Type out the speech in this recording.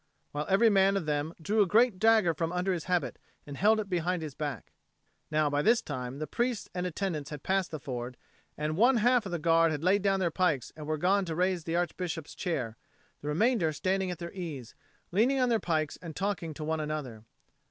while every man of them drew a great dagger from under his habit and held it behind his back. Now by this time the priests and attendants had passed the ford; and one half of the Guard had laid down their pikes and were gone to raise the Archbishop's chair, the remainder standing at their ease, leaning on their pikes and talking to one another.